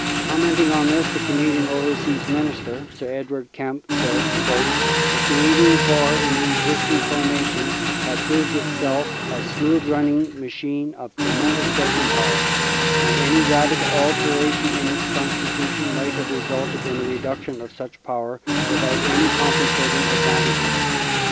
Commenting on this, the Canadian Overseas Minister, Sir Edward Kemp, says: "The Canadian Corps in the existing formation had proved itself a smooth running machine of tremendous striking power, and any radical alteration in its constitution might have resulted in a reduction of such power without any compensating advantages.